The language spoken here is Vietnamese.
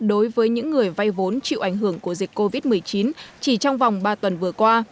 đối với những người vay vốn chịu ảnh hưởng của dịch covid một mươi chín chỉ trong vòng ba tuần vừa qua